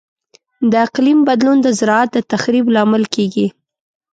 د اقلیم بدلون د زراعت د تخریب لامل کیږي.